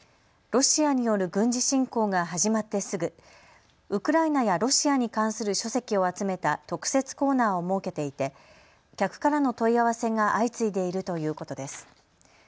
ロシアによる軍事侵攻が始まってすぐウクライナやロシアに関する書籍を集めた特設コーナーを設けていて客からの問い合わせが相次いでいるということです。